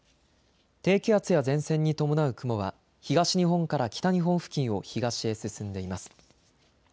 低気圧や前線に伴う雲は東日本から北日本付近を東へ進んでいます。